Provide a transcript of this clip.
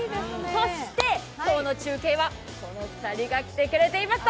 そして今日の中継はこの２人が来てくれています。